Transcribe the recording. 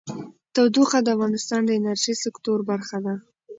تودوخه د افغانستان د انرژۍ سکتور برخه ده.